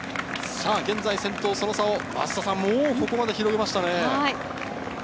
現在、先頭その差をもうここまで広げましたね。